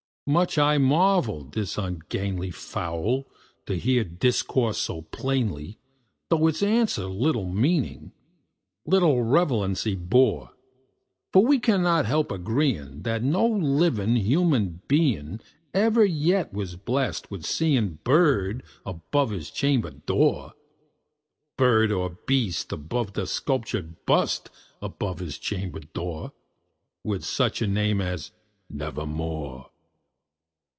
Much I marvelled this ungainly fowl to hear discourse so plainly, Though its answer little meaning little relevancy bore; For we cannot help agreeing that no living human being Ever yet was blessed with seeing bird above his chamber door Bird or beast upon the sculptured bust above his chamber door, With such name as "Nevermore."